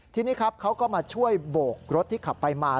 ทีนี้ครับเขาก็มาช่วยโบกรถที่ขับไปมา